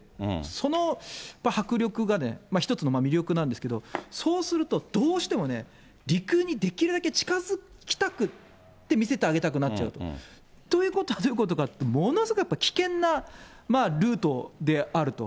その迫力が一つの魅力なんですけれども、そうすると、どうしてもね、陸にできるだけ近づきたくて見せてあげたくなっちゃう。ということは、どういうことかって、ものすごいやっぱ危険なルートであると。